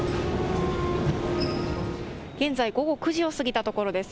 現在、午後９時を過ぎたところです。